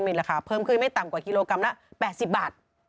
มีราคาเพิ่มขึ้นไม่ต่ำกว่ากิโลกรัมละ๘๐บาท